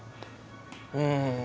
うん。